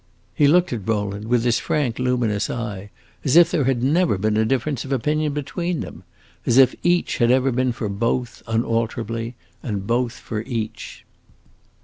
He looked at Rowland with his frank, luminous eye as if there had never been a difference of opinion between them; as if each had ever been for both, unalterably, and both for each.